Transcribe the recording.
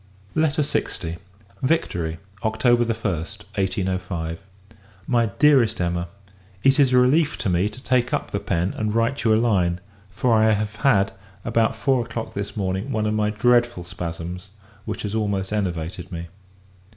LETTER LX. Victory, October 1st, 1805. MY DEAREST EMMA, It is a relief to me, to take up the pen, and write you a line; for I have had, about four o'clock this morning, one of my dreadful spasms, which has almost enervated me.